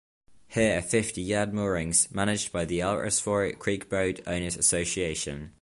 Here are fifty yacht moorings managed by the Alresford Creek Boat Owners Association.